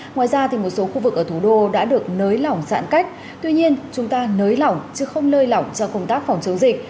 ngoài ra một số khu vực ở thủ đô đã được nới lỏng giãn cách tuy nhiên chúng ta nới lỏng chứ không lơi lỏng cho công tác phòng chống dịch